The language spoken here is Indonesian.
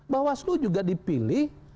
bawaslu juga dipilih